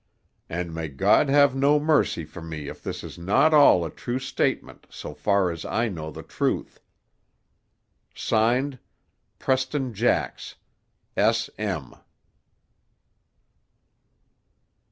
"And may God have no mercy for me if this is not all a true statement, so far as I know the truth. "(Signed) Preston Jax, S M."